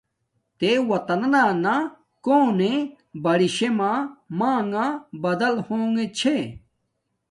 تے وطنا نہ کونے باری شےما مانݣ بدل ہونگے چحے،